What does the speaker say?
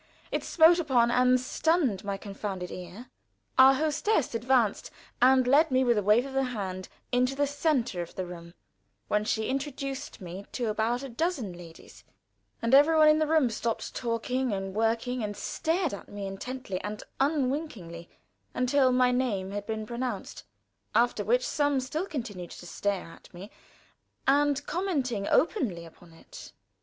It smote upon and stunned my confounded ear. Our hostess advanced and led me with a wave of the hand into the center of the room, when she introduced me to about a dozen ladies: and every one in the room stopped talking and working, and stared at me intently and unwinkingly until my name had been pronounced, after which some continued still to stare at me, and commenting openly upon it.